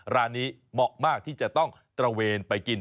ร้านนี้เหมาะมากที่จะต้องตระเวนไปกิน